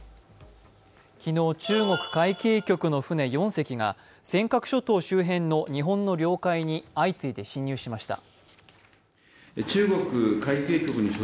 昨日、中国海警局の船４隻が尖閣諸島周辺の日本の領海に相次いで侵入しました。